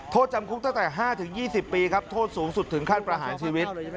โทษจำคุกตั้งแต่๕๒๐ปีครับโทษสูงสุดถึงขั้นประหารชีวิต